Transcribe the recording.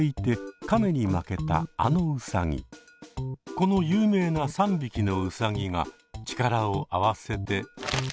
この有名な３匹のうさぎが力を合わせて。